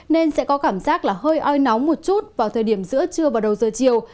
nên sẽ có cảm giác là hơi oi nóng một chút vào thời điểm giữa trưa và đầu giờ chiều